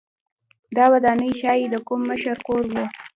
دا ودانۍ ښايي د کوم مشر کور و.